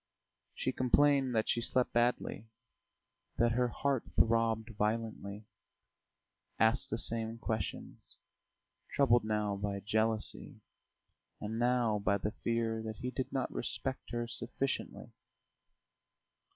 She complained that she slept badly, that her heart throbbed violently; asked the same questions, troubled now by jealousy and now by the fear that he did not respect her sufficiently.